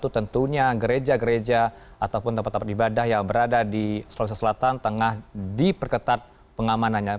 tentunya gereja gereja ataupun tempat tempat ibadah yang berada di sulawesi selatan tengah diperketat pengamanannya